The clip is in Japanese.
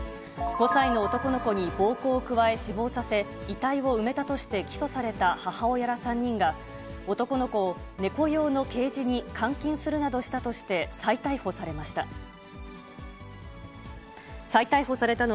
５歳の男の子に暴行を加え死亡させ、遺体を埋めたとして起訴された母親ら３人が、男の子を猫用のケージに監禁するなどしたとして、再逮捕されました。